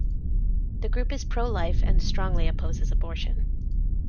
The group is pro-life and strongly opposes abortion.